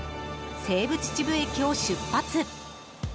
西武秩父駅を出発。